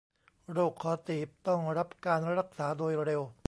โรคคอตีบต้องรับการรักษาโดยเร็ว